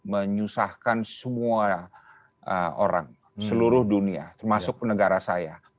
menyusahkan semua orang seluruh dunia termasuk negara saya